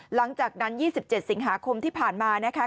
หลังจากนั้น๒๗สิงหาคมที่ผ่านมานะคะ